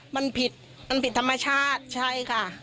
มันผิดมันผิดธรรมชาติใช่ค่ะ